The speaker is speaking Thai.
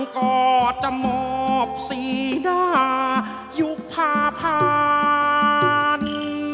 ก็จะมอบสีหน้ายุคพาพันธ์